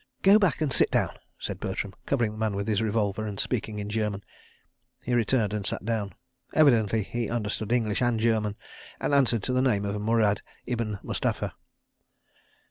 "Go back and sit down," said Bertram, covering the man with his revolver and speaking in German. He returned and sat down. Evidently he understood English and German and answered to the name of Murad ibn Mustapha!